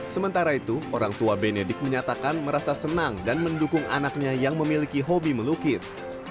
sementara itu orang tua benedik menyatakan merasa senang dan mendukung anaknya yang memiliki hobi melukis